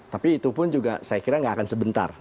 tapi itu pun juga saya kira nggak akan sebentar